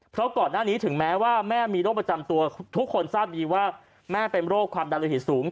เพราะก่อนหน้านี้ถึงแม้ว่าแม่มีโรคประจำตัวทุกคนทราบดีว่าแม่เป็นโรคความดันโลหิตสูง